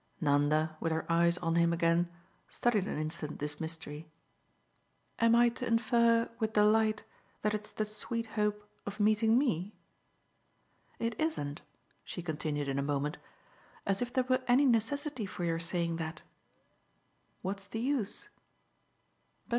Nanda, with her eyes on him again, studied an instant this mystery. "Am I to infer with delight that it's the sweet hope of meeting ME? It isn't," she continued in a moment, "as if there were any necessity for your saying that. What's the use?"